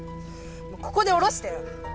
もうここで降ろしてよ。